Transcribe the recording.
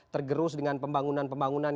tergerus dengan pembangunan pembangunan